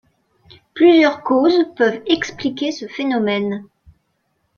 Plusieurs causes peuvent expliquer ce phénomène.